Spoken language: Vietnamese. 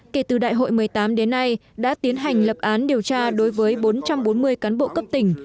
tổ chức trung ương đến nay đã tiến hành lập án điều tra đối với bốn trăm bốn mươi cán bộ cấp tỉnh